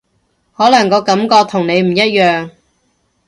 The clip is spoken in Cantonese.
可能個感覺同你唔一樣